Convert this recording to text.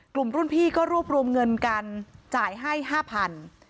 กลุ่มรุ่นพี่ก็รวบรวมเงินกันจ่ายให้๕๐๐บาท